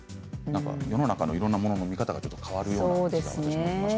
世の中のいろんなものの見方が変わるような